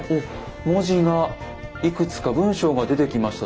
文字がいくつか文章が出てきました。